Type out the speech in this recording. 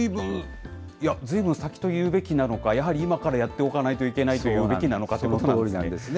ずいぶん先というべきなのか、やはり今からやっておかないといけないというべきなのかというこそのとおりなんですね。